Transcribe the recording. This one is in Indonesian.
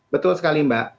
betul sekali mbak